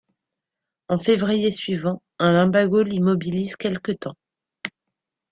En février suivant, un lumbago l'immobilise quelque temps.